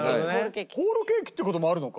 ホールケーキって事もあるのか。